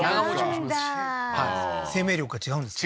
違うんだ生命力が違うんですか？